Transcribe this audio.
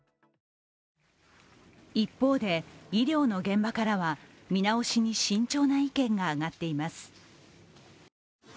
一方で医療の現場からは見直しに慎重な意見が上がっています。